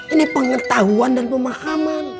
ini pengetahuan dan pemahaman